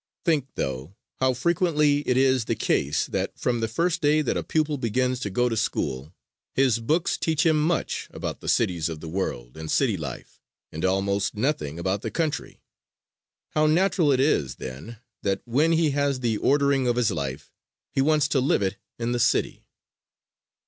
Think, though, how frequently it is the case that from the first day that a pupil begins to go to school his books teach him much about the cities of the world and city life, and almost nothing about the country. How natural it is, then, that when he has the ordering of his life he wants to live it in the city.